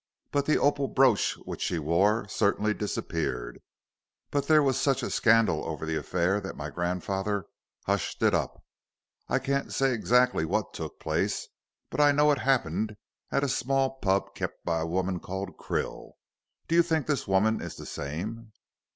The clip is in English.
But the opal brooch, which she wore, certainly disappeared. But there was such a scandal over the affair that my grandfather hushed it up. I can't say exactly what took place. But I know it happened at a small pub kept by a woman called Krill. Do you think this woman is the same?"